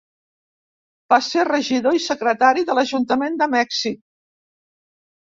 Va ser regidor i secretari de l'Ajuntament de Mèxic.